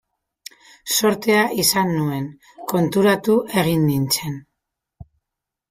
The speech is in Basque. Zortea izan nuen, konturatu egin nintzen.